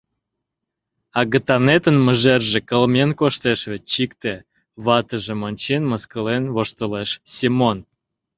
— Агытанетын мыжерже, кылмен коштеш вет, чикте, — ватыжым ончен, мыскылен воштылеш Семон.